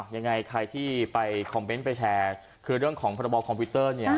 ยังไงใครที่ไปคอมเมนต์ไปแชร์คือเรื่องของพรบคอมพิวเตอร์เนี่ย